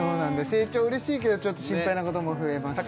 成長嬉しいけどちょっと心配なことも増えますね